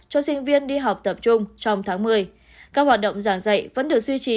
cho sinh viên đi học tập trung trong tháng một mươi các hoạt động giảng dạy vẫn được duy trì